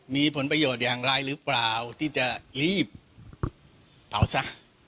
มีผลประโยชน์อย่างไรหรือเปล่าที่จะรีบเผาซะ